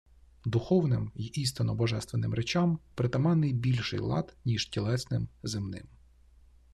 Духовним й істинно Божественним речам притаманний більший лад, ніж тілесним, земним.